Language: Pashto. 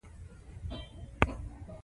د دې موادو کمښت ستونزې پیدا کوي.